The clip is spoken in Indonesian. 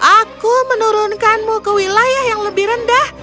aku menurunkanmu ke wilayah yang lebih rendah